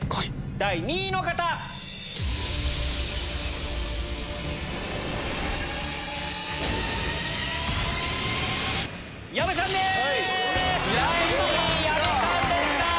第２位矢部さんでした！